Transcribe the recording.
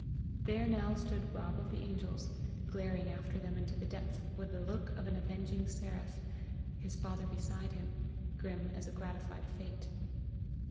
There now stood Rob of the Angels, gazing after them into the depth, with the look of an avenging seraph, his father beside him, grim as a gratified Fate.